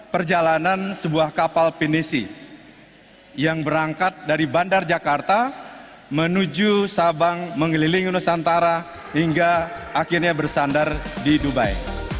perjalanan sebuah kapal penisi yang berangkat dari bandar jakarta menuju sabang mengelilingi nusantara hingga akhirnya bersandar di dubai